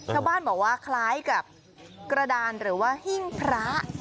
ชาวบ้านบอกว่าคล้ายกับกระดานหรือว่าหิ้งพระ